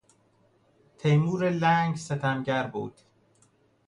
تیمور لنگ ستمگر بود.